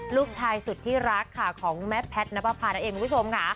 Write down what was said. ลูกชายสุดที่รักค่ะของแม่แพทย์นับประพานั่นเองคุณผู้ชมค่ะ